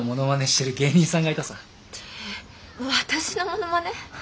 てっ私のものまね？